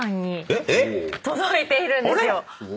えっ⁉届いているんですよ。